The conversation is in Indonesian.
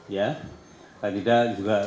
ya paling tidak juga